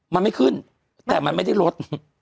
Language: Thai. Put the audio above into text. มันไม่ขึ้นแต่มันไม่ได้ลด